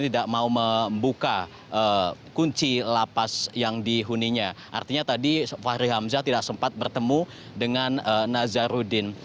tidak mau membuka kunci lapas yang dihuninya artinya tadi fahri hamzah tidak sempat bertemu dengan nazarudin